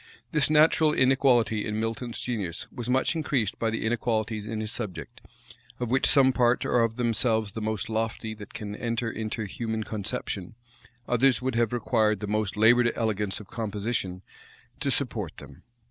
This natural inequality in Milton's genius was much increased by the inequalities in his subject; of which some parts are of themselves the most lofty that can enter into human conception; others would have required the most labored elegance of composition to support them.